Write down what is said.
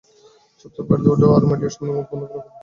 চুপচাপ গাড়িতে ওঠো আর মিডিয়ার সামনে মুখ বন্ধ রাখবে।